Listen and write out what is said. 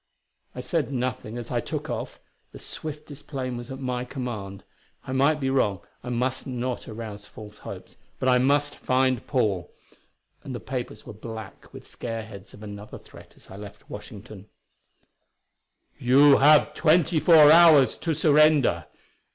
I said nothing as I took off; the swiftest plane was at my command. I might be wrong; I must not arouse false hopes; but I must find Paul. And the papers were black with scareheads of another threat as I left Washington: "You have twenty four hours to surrender.